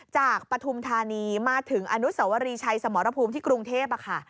ปฐุมธานีมาถึงอนุสวรีชัยสมรภูมิที่กรุงเทพค่ะ